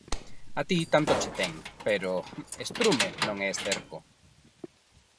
A ti tanto che ten, pero... estrume no é esterco